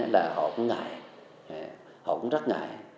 là họ cũng ngại họ cũng rất ngại